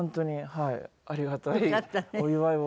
はい。